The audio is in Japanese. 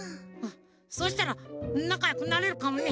そうしたらなかよくなれるかもね。